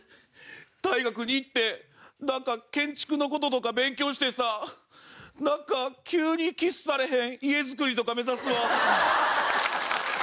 大学に行ってなんか建築の事とか勉強してさなんか急にキスされへん家づくりとか目指すわ。